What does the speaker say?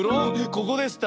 ここでした。